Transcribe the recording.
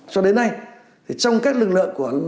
cho đến nay trong các lực lượng